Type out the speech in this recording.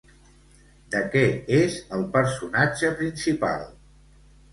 De què és el personatge principal?